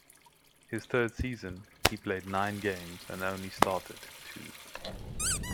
His third season he played nine games and only started two.